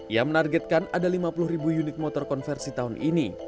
ia menargetkan ada lima puluh ribu unit motor konversi tahun ini